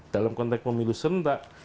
dalam konteks memilu sentak